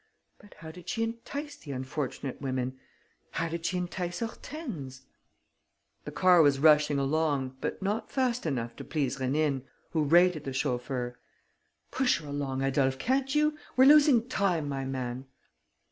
But how did she entice the unfortunate women? How did she entice Hortense?" The car was rushing along, but not fast enough to please Rénine, who rated the chauffeur: "Push her along, Adolphe, can't you?... We're losing time, my man."